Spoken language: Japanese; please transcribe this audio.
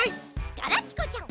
ガラピコちゃん。